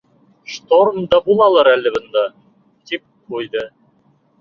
Шторм да булалыр әле бында? -тип ҡуйҙы.